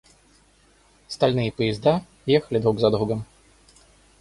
Стальные поезда ехали друг за другом.